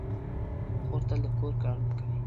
خور تل د کور کارونه کوي.